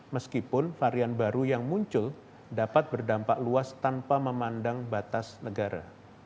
meskipun varian baru yang muncul dapat berdampak luas tanpa memandang batas negara